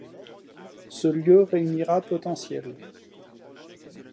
Ce lieu réunira potentielles.